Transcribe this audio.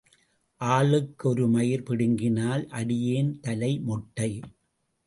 ஆளுக்கு ஒரு மயிர் பிடுங்கினால் அடியேன் தலை மொட்டை.